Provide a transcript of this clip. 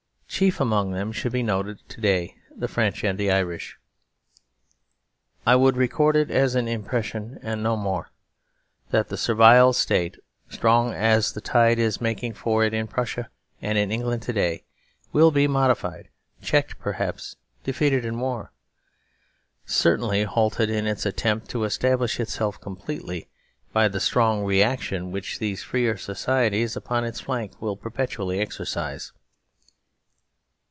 Chief among them should be noted to day the French and the Irish. I would record it as an impression and no more that the Servile State, strong as the tide is making for it in Prussia and in England to day, will be modified, checked, perhaps defeated in war, certainly halted ll CONCLUSION in its attempt to establish itself completely, by the strong reaction which these freer societies upon its flank will perpetually exercise.